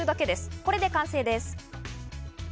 これで完成です。